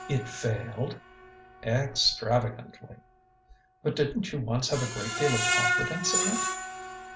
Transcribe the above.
"It failed?" "Extravagantly!" "But didn't you once have a great deal of confidence in it?"